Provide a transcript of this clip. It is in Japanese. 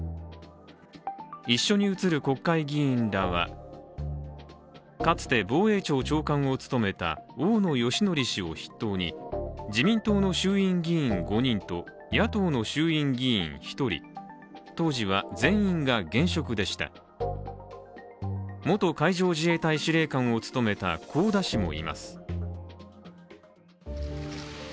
一緒に写る国会議員らはかつて防衛庁長官を務めた大野功統氏を筆頭に、自民党の衆院議員５人と、野党の衆院議員１人、当時は全員が現職でした元海上自衛隊司令官を務めた香田氏もいます。